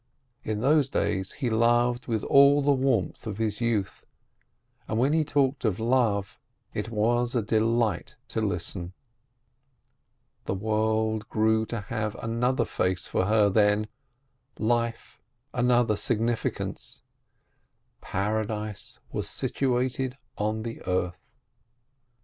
In those days he loved with all the warmth of his youth, and when he talked of love, it was a delight to listen. The world grew to have another face for her then, life, another significance, Paradise was situated on the earth.